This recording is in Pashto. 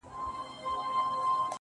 نور د نورو لېوني دې کبرجنې,